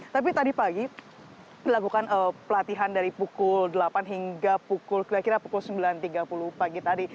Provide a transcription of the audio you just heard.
tapi tadi pagi dilakukan pelatihan dari pukul delapan hingga pukul kira kira pukul sembilan tiga puluh pagi tadi